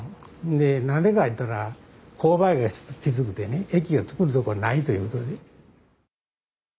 で何でか言ったら勾配がきつくてね駅を作るとこがないということで。